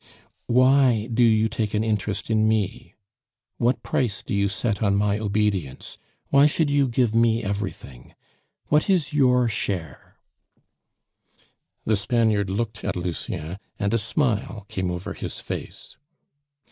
"Why do you take an interest in me? What price do you set on my obedience? Why should you give me everything? What is your share?" The Spaniard looked at Lucien, and a smile came over his face.